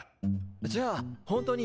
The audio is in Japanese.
じゃあ本当に。